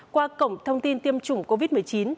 qua cổng thông tin tiêm chủng covid một mươi chín